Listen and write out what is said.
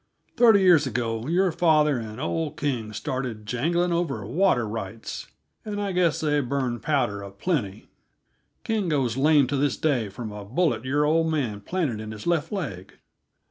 Thirty years ago your father and old King started jangling over water rights, and I guess they burned powder a plenty; King goes lame to this day from a bullet your old man planted in his left leg."